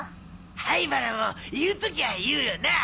灰原も言うときゃ言うよな！